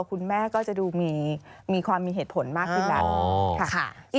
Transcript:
คุณแม่ก็จะดูมีความมีเหตุผลมากขึ้นดัง